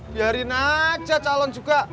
biarin aja calon juga